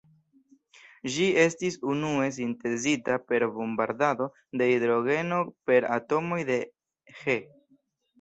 Ĝi estis unue sintezita per bombardado de hidrogeno per atomoj de He.